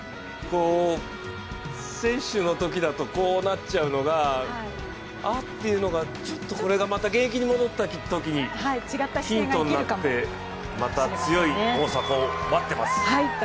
選手のときだとこうなっちゃうのがあっ、ていうのがまた現役に戻ったときにヒントになってまた、強い大迫、待ってます。